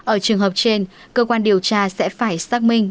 ở trường hợp trên cơ quan điều tra sẽ phải xác minh